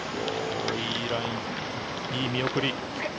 いいライン、いい見送り。